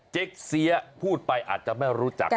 เจ๊กเสียพูดไปอาจจะไม่รู้จัก